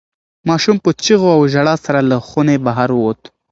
ماشوم په چیغو او ژړا سره له خونې بهر ووت.